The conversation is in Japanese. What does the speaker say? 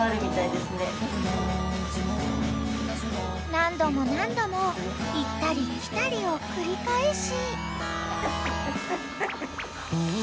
［何度も何度も行ったり来たりを繰り返し］